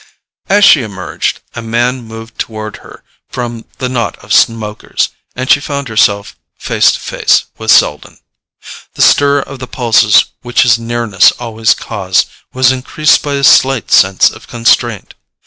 As she emerged, a man moved toward her from the knot of smokers, and she found herself face to face with Selden. The stir of the pulses which his nearness always caused was increased by a slight sense of constraint.